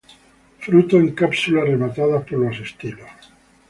Fruto en cápsula rematada por los estilos.